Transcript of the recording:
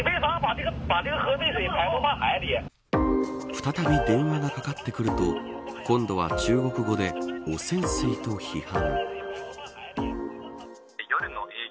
再び電話がかかってくると今度は中国語で汚染水と批判。